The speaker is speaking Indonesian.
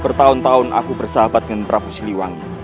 bertahun tahun aku bersahabat dengan prabu siliwangi